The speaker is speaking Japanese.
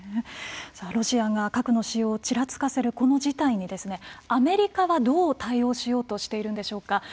さあロシアが核の使用をちらつかせるこの事態にアメリカはどう対応しようとしているんでしょうか。